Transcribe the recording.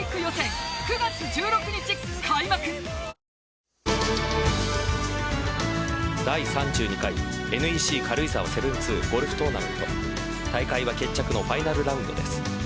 大会最終日第３２回ＮＥＣ軽井沢７２ゴルフトーナメント大会は決着のファイナルラウンドです。